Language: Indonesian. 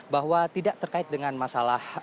bahwa tidak terkait dengan masalah